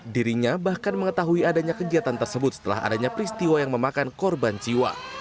dirinya bahkan mengetahui adanya kegiatan tersebut setelah adanya peristiwa yang memakan korban jiwa